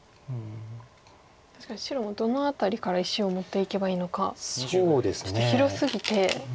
確かに白もどの辺りから石を持っていけばいいのかちょっと広すぎて。